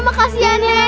makasih ya nek